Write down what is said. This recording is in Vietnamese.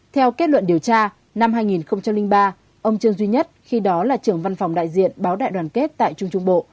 theo kết luận điều tra năm hai nghìn ba ông trương duy nhất khi đó là trưởng văn phòng đại diện báo đại đoàn kết tại trung trung bộ